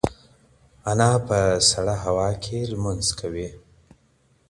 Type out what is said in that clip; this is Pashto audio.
انا په سړه هوا کې لمونځ کاوه.